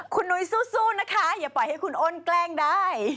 คุณนุ้ยสู้นะคะอย่าปล่อยให้คุณอ้นแกล้งได้